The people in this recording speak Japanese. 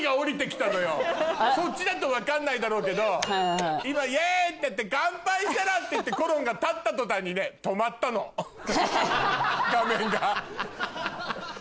そっちだと分かんないだろうけど今イェイってやって乾杯したらって言ってころんが立った途端にね止まったの画面が。